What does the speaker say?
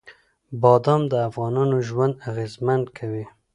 بادام د افغانانو ژوند اغېزمن کوي.